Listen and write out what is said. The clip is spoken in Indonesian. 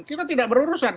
kita tidak berurusan